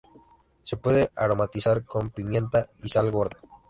Se suele aromatizar con pimienta y sal gorda.